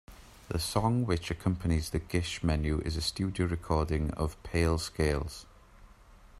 The song which accompanies the "Gish" menu is a studio recording of "Pale Scales".